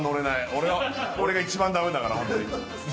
俺は俺が一番だめだから、本当に。